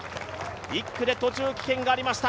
１区で途中棄権がありました、